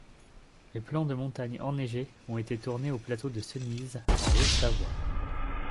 Les plans de montagnes enneigées ont été tournés au plateau de Cenise en Haute-Savoie.